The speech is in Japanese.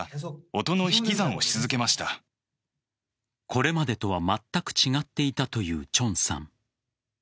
これまでとはまったく違っていたというチョンさん。